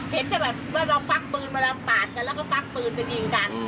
เห็นแต่แบบว่าเราฟักปืนมาเราปาดกันแล้วก็ฟักปืนจะยิงกัน